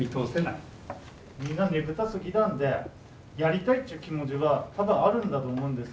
みんなねぶた好きなんでやりたいっていう気持ちは多分あるんだと思うんです。